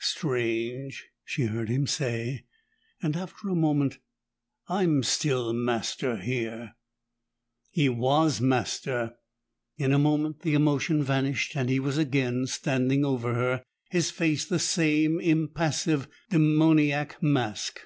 "Strange!" she heard him say, and after a moment, "I'm still master here!" He was master; in a moment the emotion vanished, and he was again standing over her, his face the same impassive demoniac mask.